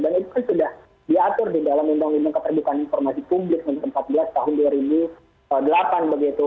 dan itu kan sudah diatur di dalam indang indang keterbukaan informasi publik tahun empat belas tahun dua ribu delapan begitu